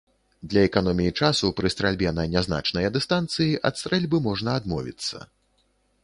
Для эканоміі часу, пры стральбе на нязначныя дыстанцыі, ад стрэльбы можна адмовіцца.